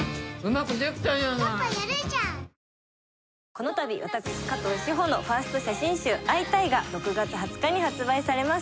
このたび私加藤史帆のファースト写真集『＃会いたい』が６月２０日に発売されます。